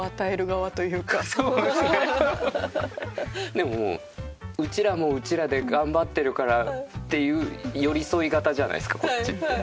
でももううちらもうちらで頑張ってるからっていう寄り添い型じゃないですかこっちって。